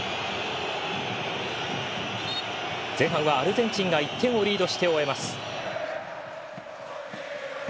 前半はアルゼンチンが１点をリードして終えます。